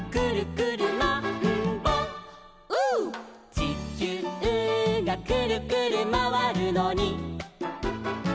「ちきゅうがくるくるまわるのに」